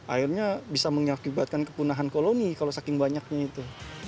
akhirnya bisa mengakibatkan kepunahan koloni kalau saking banyaknya itu